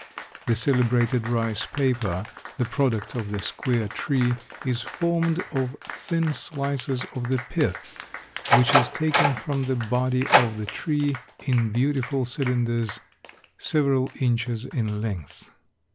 The celebrated rice paper, the product of this queer tree, is formed of thin slices of the pith, which is taken from the body of the tree in beautiful cylinders several inches in length.